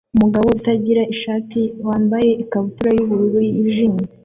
Umugabo utagira ishati wambaye ikabutura yubururu yijimye